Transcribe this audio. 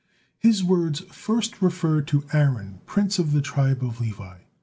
His words first referred to Aaron, prince of the tribe of Levi.